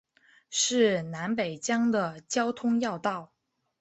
是南北疆的交通要道。